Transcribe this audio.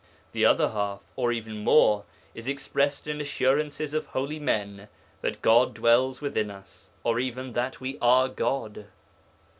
The other half (or even more) is expressed in assurances of holy men that God dwells within us, or even that we are God.